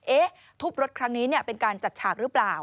ทุบรถครั้งนี้เป็นการจัดฉากหรือเปล่า